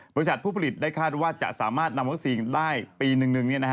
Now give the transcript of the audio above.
บริษัทผู้ผลิตได้คาดว่าจะสามารถนำวัคซีนได้ปีนึง